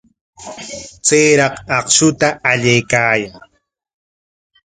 Chayraq akshuta allaykaayaa.